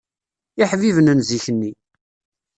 Iḥbiben n zik-nni